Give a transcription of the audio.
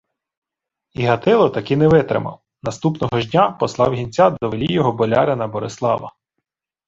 І Гатило таки не витримав: наступного ж дня послав гінця по велійого болярина Борислава.